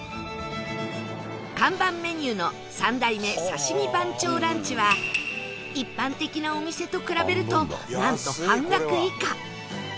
看板メニューの三代目刺身番長ランチは一般的なお店と比べるとなんと半額以下